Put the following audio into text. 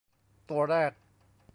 ตัวแรก